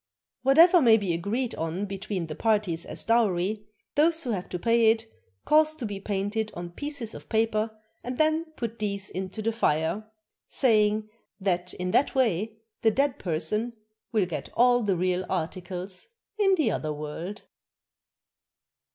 Whatever may be agreed on between the parties as dowry, those who have to pay it cause to be painted on pieces of paper and then put these into the fire, saying that in that way the dead person will get all the real articles in the other world.